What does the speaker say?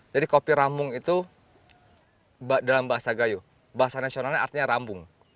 jadi kopi ramung itu dalam bahasa gayo bahasa nasionalnya artinya rambung